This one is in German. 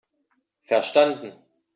Verstanden!